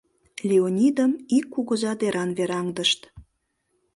Леонидым ик кугыза деран вераҥдышт.